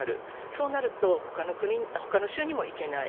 そうなると他の州にも行けない。